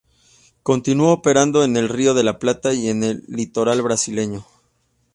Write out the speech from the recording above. Continuó operando en el Río de la Plata y en el litoral brasileño.